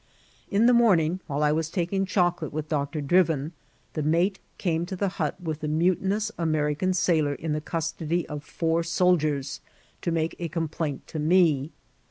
In the momingy while I watf taking chocolate with Doctor Driyin, the mate came to the hut with the mu tinous American sailor in the custody of four soldiers, to make a*complaint to me.